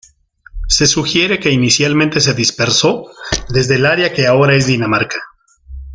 Se sugiere que inicialmente se dispersó desde el área que ahora es Dinamarca.